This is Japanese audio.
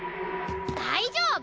大丈夫！